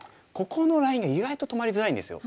ここのラインが意外と止まりづらいんですよ。